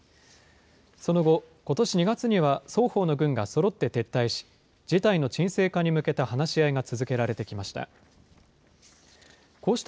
その後、ことし２月には双方の軍がそろって撤退し、事態の沈静化に向けた話し合いが続けられてきました。